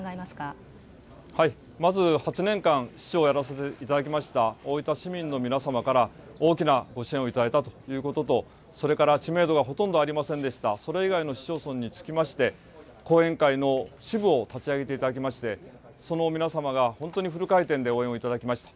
まず８年間、市長をやらせていただきました大分市民の皆様から大きなご支援を頂いたということと、それから知名度がほとんどありませんでした、それ以外の市町村につきまして、後援会の支部を立ち上げていただきまして、その皆様が本当にフル回転で応援をいただきました。